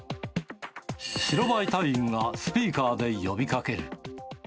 白バイ隊員がスピーカーで呼びかける。